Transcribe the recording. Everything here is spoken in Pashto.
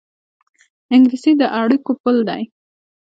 انګلیسي د اړیکو پُل دی